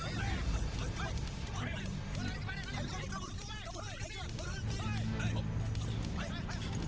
eh lepasin apa sih aku nggak suka ya kamu maksa maksa aku